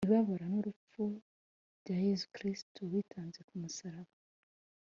ibabara n’urupfu bya yezu kristu witanze ku musaraba